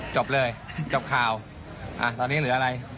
จบเลยจบข่าวตอนนี้เหลืออะไร